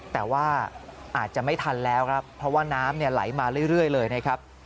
แต่ว่าอาจจะไม่ทันแล้วครับเพราะว่าน้ำไหลมาเรื่อยเลยนะครับ